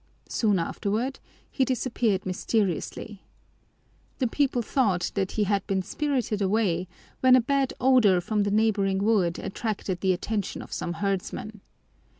Soon afterward he disappeared mysteriously. The people thought that he had been spirited away, when a bad odor from the neighboring wood attracted the attention of some herdsmen.